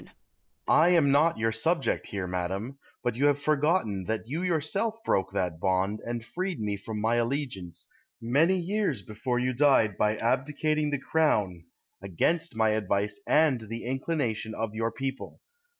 I am not your subject here, madam; but you have forgotten that you yourself broke that bond, and freed me from my allegiance, many years before you died, by abdicating the crown, against my advice and the inclination of your people.